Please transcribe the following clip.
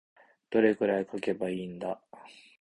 どれくらい書けばいいんだ。